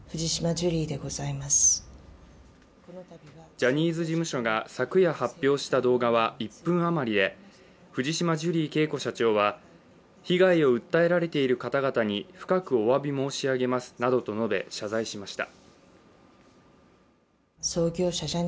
ジャニーズ事務所が昨夜発表した動画は１分余りで藤島ジュリー景子社長は被害を訴えられている方々に深くおわび申し上げますなどと述べ謝罪しました。